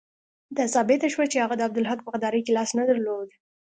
دا ثابته شوه چې هغه د عبدالحق په غداري کې لاس نه درلود.